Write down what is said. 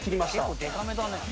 結構でかめだね。